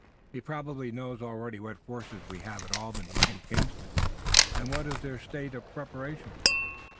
He probably knows already what forces we have at Albany and Kingston and what is their state of preparation.